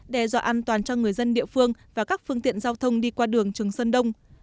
đe dọa an toàn cho người dân địa phương và các phương tiện giao thông đi qua đường trường sơn đông